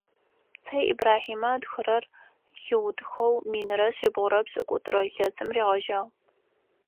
Цэй Ибрахьимэ ытхыхэрэр хиутыхэу минрэ шъибгъурэ пшӏыкӏутӏрэ илъэсым ригъэжьагъ.